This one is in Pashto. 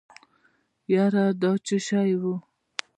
يره دا څه شی و.